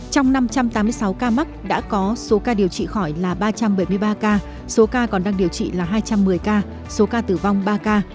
trong năm trăm tám mươi sáu ca mắc đã có số ca điều trị khỏi là ba trăm bảy mươi ba ca số ca còn đang điều trị là hai trăm một mươi ca số ca tử vong ba ca